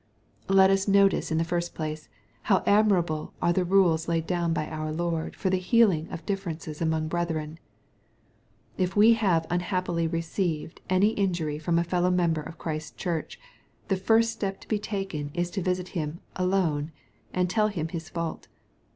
Let us notice in the first place^ how adminxble are the rules laid down by our Lord, for the healing of differ^ ences among brethren. If we have unhappily received any injury from a fellow member of Christ's Church, the first step to be taken is to visit him ^' alone/' and tell him his fault.